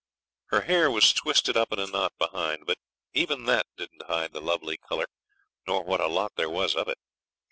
Her hair was twisted up in a knot behind; but even that didn't hide the lovely colour nor what a lot there was of it.